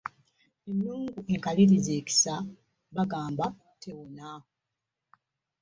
Ennungu enkalirize ekisa bagamba tewona.